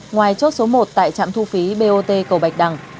ngoài chốt số một tại trạm thu phí bot cầu bạch đằng